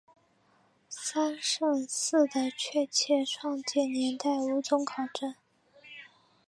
三圣寺的确切创建年代无从考证。